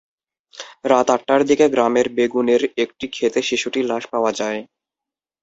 রাত আটটার দিকে গ্রামের বেগুনের একটি খেতে শিশুটির লাশ পাওয়া যায়।